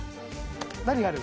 何がある？